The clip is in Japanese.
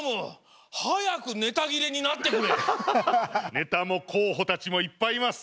ネタもこうほたちもいっぱいいます。